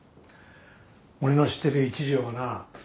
俺の知ってる一条はな